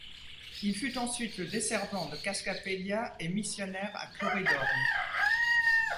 Il fut ensuite le desservant de Cascapédia et missionnaire à Cloridorme.